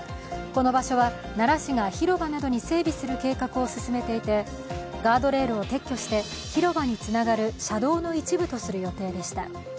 この場所は、奈良市が広場などに整備する計画を進めていてガードレールを撤去して広場につながる車道の一部とする予定でした。